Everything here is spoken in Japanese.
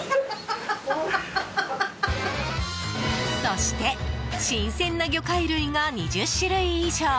そして新鮮な魚介類が２０種類以上！